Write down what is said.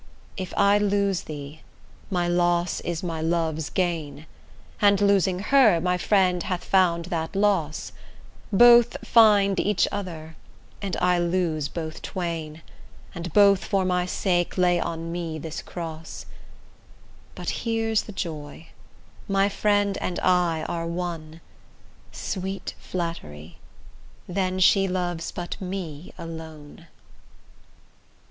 If I lose thee, my loss is my love's gain, And losing her, my friend hath found that loss; Both find each other, and I lose both twain, And both for my sake lay on me this cross: But here's the joy; my friend and I are one; Sweet flattery! then she loves but me alone.